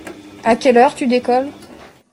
A quelle heure tu décolles?